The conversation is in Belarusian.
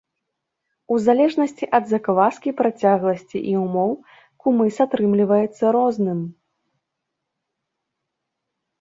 У залежнасці ад закваскі, працягласці і ўмоў кумыс атрымліваецца розным.